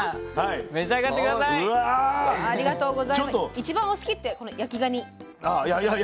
一番お好きってこの焼きがに。